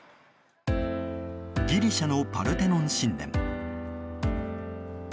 ギリシャのパルテノン神殿。